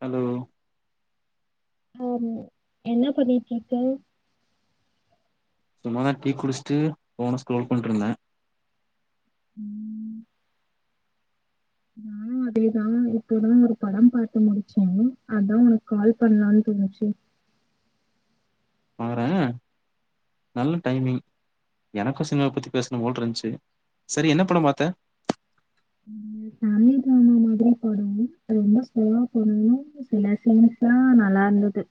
Hello ஆமா என்ன பண்ணிட்ருக்க சும்மாதா டீ குடிச்சுட்டு ஃபோன ஸ்க்ரோல் பண்ட்ருந்தே ம் உம் அதேதா இப்போதா ஒரு படம் பாத்து முடிச்சே அதா உனக்கு கால் பண்லான்னு தோனுச்சி பாறே நல்ல டைமிங் எனக்கு சினிமா பத்தி பேசணு போலருந்திச்சு செரி என்ன படம் பாத்த ஃபேமிலி [unintelligible] மாதிரி [unintelligible] ரொம்ப சுலோவா [unintelligible] சில சீன்ஸ்தாநல்லா இருந்தது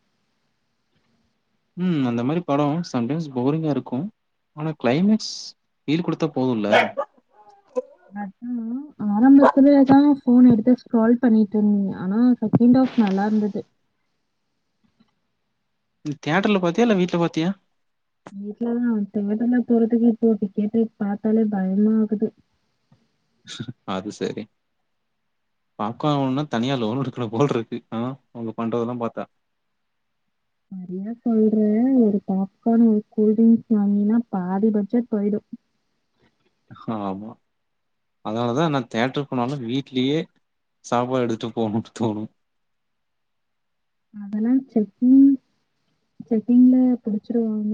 உம் அந்த மாரி படோ சம்டைம்ஸ் போரிங்கா இருக்கு ஆனா கிளைமேக்ஸ் ஈடு குடுத்தா போதும்ல அதா ஆரம்பத் சொல்றதுக்கு தானே ஃபோன் எடுத்தே கால் பண்ணிட்ருந் ஆனா செகண்ட் ஆஃப் நல்லா இருந்தது இது தியேட்டர்ல பாத்தியா இல்ல வீட்டு்ல பாத்தியா வீட்லதா திரும்ப திரும்ப போறதுக்குள்ள போட்டு கேட்டு பாத்தாலே பயமா ஆகுது அது சரி பாக்கன [unintelligible] தனியா லோன் எடுக்குல போல்ருக்கு ஆ அவங்க பண்றதெல்லா பாத்தா நெறைய சொல்றே ஒரு பாப்கான் ஒரு கூல் ட்ரிங்க்ஸ் வாங்கினா பாதி பட்ஜெட் போயிடு ஆமா அதனாலதா நா தேட்டரு போனாலு வீட்லயே சாப்பாடு எடுத்துட்டு போணுன்னுட்டு தோணு அதெல்லா செக்கிங் செக்கிங்ல புடிச்சிருவாங்க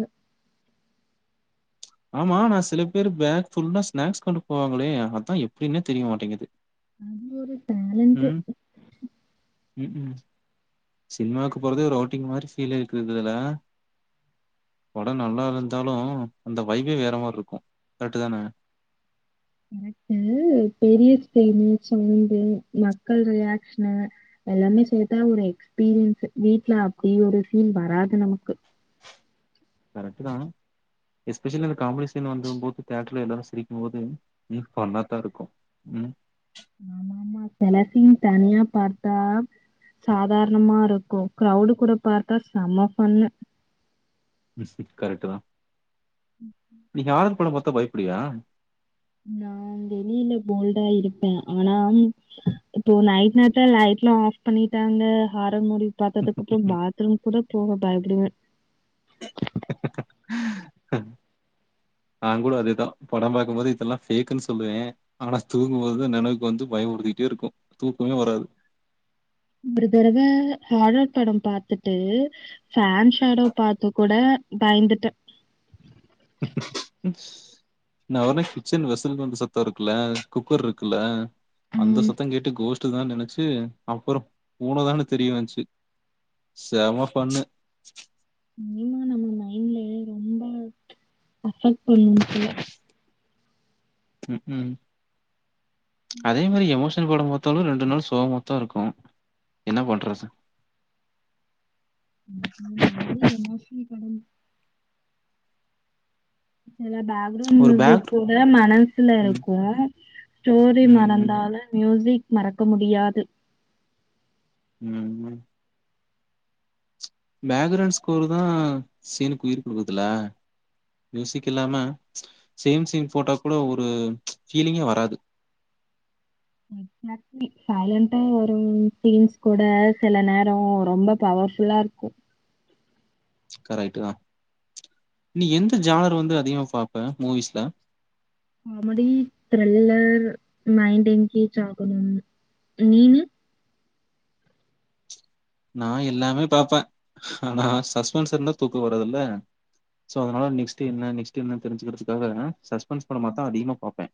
ஆமா நான் சில பேர் பேக் ஃபுல்லா ஸ்நாக்ஸ் கொண்டு போவாங்களே அதா எப்டின்னே தெரிய மாட்டேங்குது அது ஒரு டேலண்ட்டு உம் உம் சினிமாவுக்கு போறதே ஒரு அவுட்டிங் மாரி ஃபீல் [unintelligible] ல படோ நல்லா இருந்தாலு அந்த வைவே வேற மார்ருக்கு கரெக்ட்டு தான கரெக்ட்டு பெரிய [unintelligible] சவுண்டு மக்கள் ரியாக்ஷனு எல்லாமே சேத்தா ஒரு எக்ஸ்பீரியன்ஸ்ஸு வீட்டுல அப்படி ஒரு பீல் வராது நமக்கு கரெக்ட்டு தா எஸ்பெஷலி அந்த காமெடி சீன் வந்து போத்து தியேட்டர்ல எல்லாரு சிரிக்கும் போது ம் ஃபண்ணாதா இருக்கு உம் ஆமாமா செல சீன் தனியா பார்த்தா சாதாரணமாருக்கு கிரௌடு கூட பார்த்தா சம ஃபண்ணு கரெக்ட்டு தா நீ யாரு படோ பத் [unintelligible] பயப்படியா நான் வெளியில போல்டா இருப்பே ஆனா இப்போ நைட் நத்த லைட்லா ஆஃப் பண்ணிட்டாங்க [unintelligible] [unintelligible] மூடி பாத்ததுக்கப்பறோ பாத்ரூம் கூடப் போகப்பயப்படுவே நா கூட அதேதா படோ பாக்கபோது இதெல்லா பேக்குன்னு சொல்லுவே ஆனா தூக்கும்போது நெனவுக்கு வந்து பயோபுடுத்திட்டே இருக்கு தூக்கமே வராது [unintelligible] தரவ ஹேரர் படம் பாத்துட்டு ஃபேன் ஷேடோ பாத்து கூட பயந்துட்டே நா வொனே கிச்சன் வெசில் பம்ப் சத்தோ இருக்குல குக்கர் இருக்குல்ல அந்த ம். சத்த கேட்டு கோஷ்டுதா னு நெனைச்சி அப்புறோ பூனதானு தெரிய வந்ச்சி செம பண்ணு இனிமா நம்ம மைண்ட்ல ரொம்ப அபெக்ட் பண்ணு போல ம் ம் அதே மாரி எமோஷன் போடு போது எத்தோன ரெண்டு நாள் சோமத்தா இருக்கு என்ன பண்றத் சார் இந் இந்த மாரி என்ன [unintelligible] எல்லா பேக்ரவுண்ட் ஒரு பேக் மியூசிக் கூட மனசுல ம், இருக்கு ஸ்டோரி ம், ம், மறந்தாலு மியூசிக் மறக்க முடியாது ம் ம் பேக்ரவுண்ட் ஸ்கோரு தா சீனுக்கு உயிர் குடுக்குதுல்ல மியூசிக் இல்லாம சேம் சேம் போட்டா கூட ஒரு ப்ச் ஃபீலிங்கே வராது சைலன்டா வரு சீன்ஸ் கூட சில நேரோ ரொம்ப பவர் ஃபுல்லா இருக்கு கரெட்டு தா நீ எந்த ஜானர் வந்து அதிகமா பாப்ப மூவிஸ்ல காமெடி த்ரில்லர் மைண்ட் என்கேஜ் ஆகணு நீனு நா எல்லாமே பாபப்பே ஆனா சஸ்பென்ஸ் இருந்தா தூக்க வராதுல்ல சோ அதனால நெக்ஸ்ட் என்ன நெக்ஸ்ட என்ன தெரிஞ்சுக்கிறதுக்காக சஸ் பென்ஸ் பட மாத்தா அதிகமா பாப்பே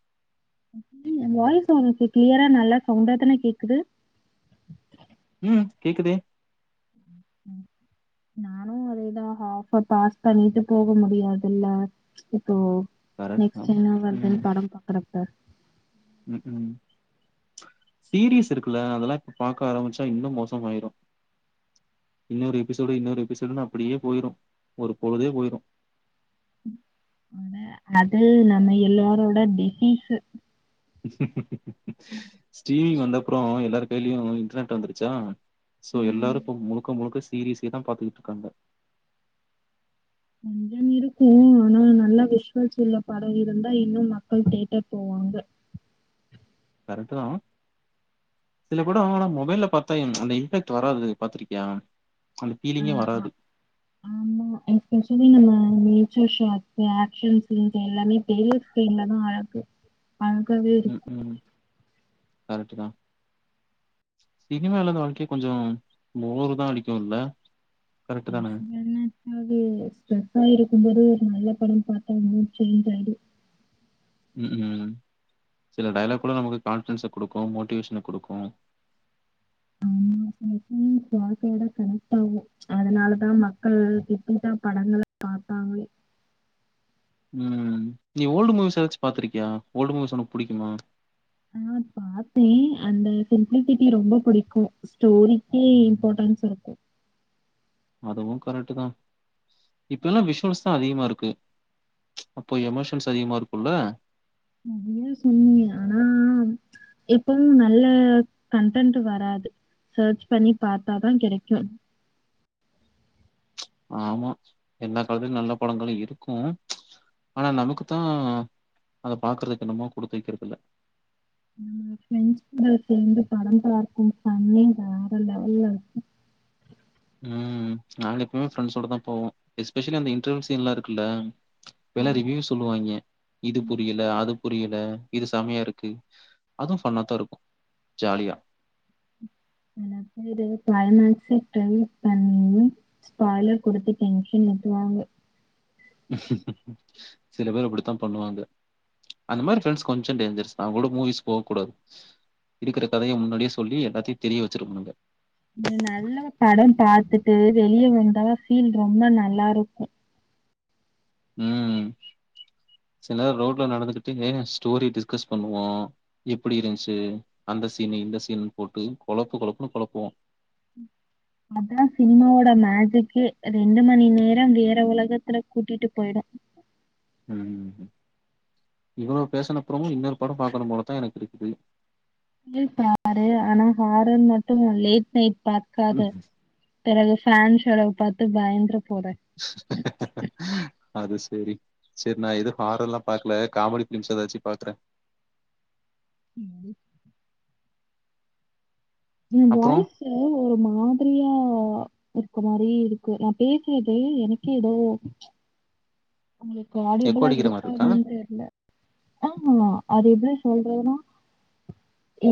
எ வாய்ஸ் வந்து கிளியரா நல்லா சவுண்டா தான கேக்குது. ம் கேக்குதே ம் நானு அதேதா ஹாப்பா பாஸ் பண்ணிட்டு போக முடியாதுல்ல இப்போ கரெக்ட் தா நெக்ஸ்ட் என்ன வருதுன் ம் படம் பாக்குறப்ப ம் ம் சீரியஸ் இருக்குல்ல அதெல்லா பாக்க ஆரம்பிச்சா இன்னு மோச ஆயிரு இன்னொரு எபிசோடு இன்னொரு எபிசோடுன்னு அப்பிடியே போயிரு ஒரு பொழுதே போயிரு ஆனா அது நம்ம எல்லாரோட டிசீஸு ஸ்டீமிங் வந்தப்பறோ எல்லாரு கையிலயு இன்டர்நெட் வந்துருச்சா சோ ம் எல்லாரு இப்போ முழுக்க முழுக்க சீரீஸேதா பாத்துக்கிட் இருக்காங்க கொஞ்சம் இருக்கு ஆனா நல்லா விஷுவல்ஸ் உள்ள படோ இருந்தா இன்னு மக்கள் தேட்டர் போவாங்க கரெட்டுதா சில படோ ஆனா மொபைல்ல பாத்தா ம்ச் அந்த இம்பேக்ட் வராது பாத்திருக்கியா அந்த ஆ ஃபீலிங்கே ஆ வராது ஆமா இப்ப சொன்னிங்கள்ள நீ [unintelligible] ஷாட்ஸ் ஆக்சன் சீன்ஸ் எல்லாமே பெரிய ஸ்கிரீன்லதா அழகு அழ்கவே இருக்கு கரெக்ட்டு தா சினிமாலருந்த வாழ்க்கையே கொஞ்சோ போருதா அடிக்கு இல்ல கரெக்ட் தான? [unintelligible] போது ஸ்டரெஸ்ஸா இருக்கு போது நல்ல படோ பாத்தா மைன்ட் சேஞ்ச் ஆயிடு ம் ம் சில டைய்லாக் கூட நமக்கு கான்பிடென்ஸு குடுக்கு மோட்டிவேஷ்ன குடுக்கும் ஆமா சில சமயோ வாழ்க்கையோட கனெக்ட் ஆகு அதனால தா மக்கள் டிப்ரண்டா படங்கள பாத்தாங்ளே உம் நீ ஓல்டு மூவிஸ் ஏதாச் பாத்திருக்கியா ஓல்டு மூவிஸ் ஒனக்கு புடிக்குமா ஆஹ் பாத்தேன் அந்த சிம்ப்ளிசிட்டி ரொம்ப பிடிக்கும் ஸ்டோரிக்கே இம்பார்ட்டன்ஸ் இருக்கு அதுவும் கரெக்ட்டுதா இப்பல்லா விஷுவல்ஸ்தா அதிகமா இருக்கு அப்போ எமோஷன்ஸ் அதிகமா இருக்குல்ல [unintelligible] சொன்னிய ஆனா எப்பவு நல்ல கன்டன்ட் வராது சர்ச் பண்ணி பாத்தாதா கெடைக்கும் ஆமா எல்லா காலத்லயும் நல்ல படங்களு இருக்கும் ஆனா நமக்குத்தான் அத பாக்குறதுக்கு என்னமோ குடுத்து வைக்கிறதில்ல நம்ம ப்ரெண்ட்ஸ் கூட சேந்து படம் பாக்கும் [unintelligible] வேற லெவல்லருக்கு உம் நாங்க எப்பவும் ஃப்ரெண்ட்ஸோடதா போவோம் எஸ்பெஷலி அந்த இன்டர்வல் சீன்லா இருக்குல்ல ஆ. இப்பெல்லா ரிவியூ சொல்லுவாங்கே இது புரியல அது புரியல இது செமையாருக்கு அதுவு ஃபன்னாத்தா இருக்கு ஜாலியா சில பேரு க்ளைமாக்ஸே ட்ரெண்ட் பண்ணியு ஸ்பாய்லர் குடுத்து டென்ஷன் ஏத்துவாங்க சில பேர் அப்டிதா பண்ணுவாங்க அந்த மாரி ஃப்ரெண்ட்ஸ் கொஞ்சோ டேஞ்சர்ஸ்தா அவங்கூட மூவிஸ் போவ் கூடாது இருக்கிற கதைய முன்னாடியே சொல்லி எல்லாத்தியு தெரிய வச்சிருவாங்க ஒரு நல்ல படம் பாத்துட்டு வெளிய வந் ஆ பீல் ரொம்ப நல்லாருக்கு ம் சில நேர ரோட்ல நடந்துகிட்டு ஏ ஸ்டோரி டிஸ்கஸ் பண்ணுவோ எப்படி இருந்துச்சு அந்த சீனு இந்த சீன்னு போட்டு கொழப்பு கொழப்புன்னு குழப்புவோ அதான் சினிமாவோட மேஜிக்கே ரெண்டு மணி நேரம் வேற உலகத்துல கூட்டிட்டு போயிடும் ம் இவ்ளோ பேசுனப்பறமு இன்னொரு படம் பாக்கனு போலத்தா எனக்கு இருக்கு பாரு ஆனா ஹாரன் மட்டும் லேட் நைட் பாக்காத ம், பிறகு பேன்ஸ்ஸளவு பாத்த பயந்தர [inaudible] அது சரி சரி நான் எதும் ஹாரர்லாம் பாக்கல காமெடி பிலிம்ஸ் ஏதாச்சி பாக்றேன் ம் ஏ அப்புறம்? வாய்சு ஒரு மாதிரியா இருக்க மாதிரி இருக்கு நான் பேசுேனது எனக்கே ஏதோ உங்களுக்கு எக்கோ ஆடியபிளா அடிக்கிற மாரி இருக்கா என்னன் தெரில ஆமா அது எப சொல்றதுனா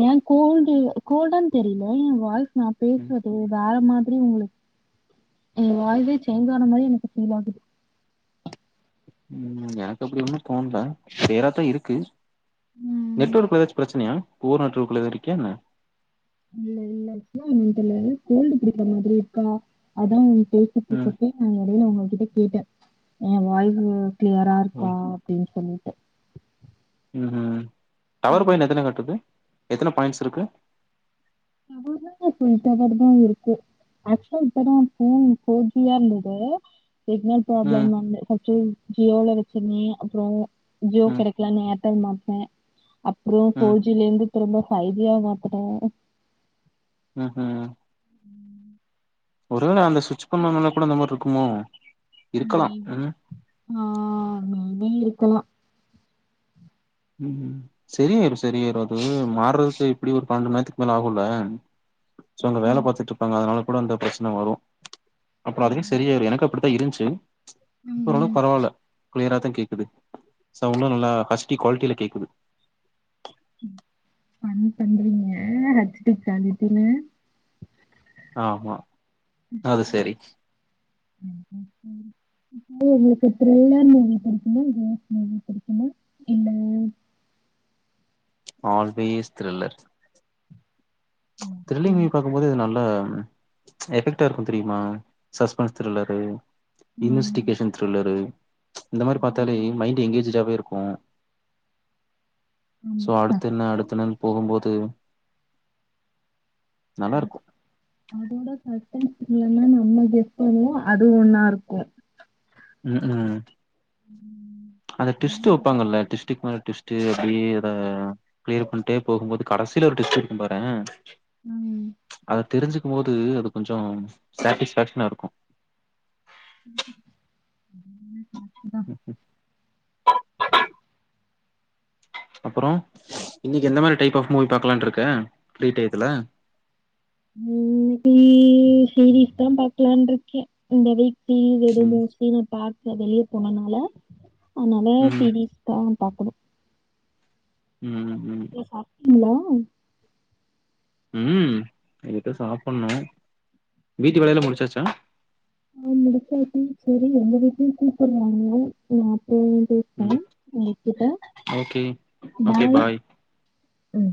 என் கோல்டு கோல்டன் தெரில என் வாழ்க் நான் ம் பேசுறது வேற மாரி எ உங்களுக்கு என் வாழ்வே சேஞ்சான மாதிரி எனக்கு ஃபீல் ஆகுது உம் எனக்கு அப்படி ஒன்னும் தோணல சுவேராதான் இருக்கு ம். நெட்வொர்க் ஏதாச்சும் பிரச்சனையா போர் நெட்வொர்க்குள்ள இருக்கியா என்ன இல்ல இல்ல என்னன் தெர்ல கோல்டு பிடிக்ற மாதிரி இருக்கா அதான் பேசிட்டு ம் இருக்குறப்போ ந நடுவுல உங்க கிட்ட [unintelligible] என் வாய்சு கிளியரா ஓ இருக்கா அப்படின்னு சொல்லி உம் உம் டவர் பாயிண்ட் எத்தனை காட்டுது எத்தனை பாயிண்ட்ஸ் இருக்கு எங்க வீட்ல ஃபுல் டவர் தான் இருக்கு ஆக்சுவலா இப்பதான் போன் போர் ஜி யா இருந்துது சிகனல் பிரப்ளம் ம் வந்து அச்சோ ஜியோல பிரச்சனை அப்புறம் ஜியோ ம் கிடைக்கலனு ஏர்டெல் மாத்துவேன் அப்புறம் ம் போர் ஜி ல இருந்து திரும்ப பைவ் ஏன் மாத்துன உஹம் உம் ஒருவேளை அந்த சுவிட்ச பண்ணனால்ல கூட அந்த மாதிரி இருக்குமோ இருக்கலா மீண் ம் ஆமா வெல்லு எல்லா உஹம் சரியாயிரும் சரியாயிரும் அது மாறதுக்கு எப்படி ஒரு பன்னெண்டு மணி நேரத்துக்கு மேல ஆகும்ல சங்க ஆ வேலை பாத்துட்டு இருப்பாங்க அதனால அந்த பிரச்சனை வரும் அப்புறம் அதுவே ம் சரியாரு எனக்கு அப்படி ட இருந்ச்சு ச்ச் இப்ப அவ்ளோ ம் பரவால்ல க்ளியரா தா கேக்குது சௌண்டு நல்லா கஷ் டி குவால்ட்டில கேக்குது ம் ஃபன் பண்றீங்க [unintelligible] ஆமா [unintelligible] அது சரி. ப்ப உங்குளுக்கு த்ரில்லர் மூவி பிடிக்குமா இல்ல [inaudible] மூவி புடிக்குமா இல்ல ஆல்வேஸ் த்ரில்லர் ம்ச் ஓகே. த்ரில்லிங்கு பாக்கும்போது இது நல்லா எஃபெக்டா இருக்கு தெரியுமா சஸ்பென்ஸ் த்ரில்லரு ஆ இன்வெஸ்டிகேஷன் த்ரில்லரு இந்த மாரி பாத்தாலே மைண்ட் எங்கேஜ்டாவே இருக் வா சோ ஆமா அடுத்து என்ன அடுத் சஸ்பென்ஸ் என்னனு போகும்போது ஆ நல்லாருக்கும். அதோட ச ஸ்பென்ஸ் இல்லன்னா நம்ம கெஸ் பண்ணுவோ அது ஒண்ணா இருக்கு ம் ம் அந்த டுஸ்டு எல்லாமே வெப்பாங்கல்ல டுஸ்டுக் மேல டுவிஸ்டு அப்படியே அத க்ளியர் பண்டே போகும்போது கடசிலே ஒரு டுஸ்டு இருக்கு பாரே ம் அத தெரிஞ்சிக்மோது அது கொஞ்சோ சாட்டிஸ்பாக்க்ஷனா இருக்கு [unintelligible] அதான் ம்ஹ்ம். அப்புறோ இன்னிக்கு எந்த மாரி டைப் ஆஃப் மூவி பாக்கலாண்ட்ருக்க ஃபிரீ டைத்துலே ம் இன்னிக்கி சீரீஸ் தா பாக்கலட்ருக்கே இந்த வீக் டிவி [unintelligible] ம். மோஸ்ட்லி நா பாக் க வெளிய போனனால அதனால ம். சீரீஸ் தா பாக்கணு ம் ம் இல்லே ம் [unintelligible] தா சாப்பண்ணு வீட்டு வேலயெல்லா முடிச்சாச்சா ச்சி சேரி எங்க வீட்லியு கூப்புடுராக [unintelligible] ம் ஓகே ஓகே பாய் உம்